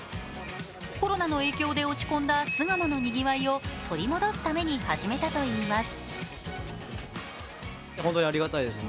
コロナの影響で落ち込んだ巣鴨のにぎわいを取り戻すために始めたといいます。